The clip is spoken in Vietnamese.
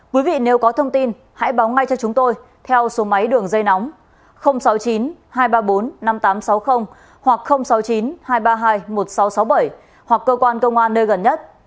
quý vị nếu có thông tin hãy báo ngay cho chúng tôi theo số máy đường dây nóng sáu mươi chín hai trăm ba mươi bốn năm nghìn tám trăm sáu mươi hoặc sáu mươi chín hai trăm ba mươi hai một nghìn sáu trăm sáu mươi bảy hoặc cơ quan công an nơi gần nhất